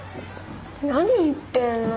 何言ってんの？